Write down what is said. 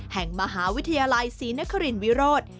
แห่งมหาวิทยาลัยศรีนครินวิโรธ